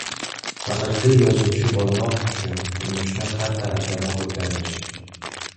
Haqiqiy yozuvchi bo‘lmoq uchun turmushni har taraflama o‘rganish